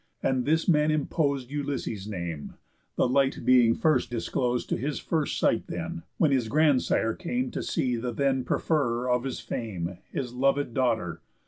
And this man impos'd Ulysses' name, the light being first disclos'd To his first sight then, when his grandsire came To see the then preferrer of his fame, His lovéd daughter.